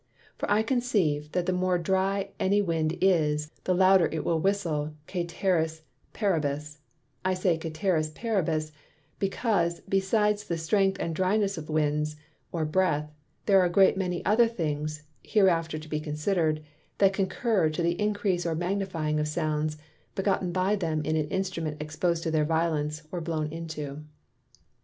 For I conceive, that the more dry any Wind is, the louder it will whistle cæteris paribus; I say, cæteris paribus, because, besides the strength and dryness of Winds or Breath, there are a great many other things (hereafter to be considered) that concur to the increase or magnifying of Sounds, begotten by them in an Instrument exposed to their Violence, or blown into.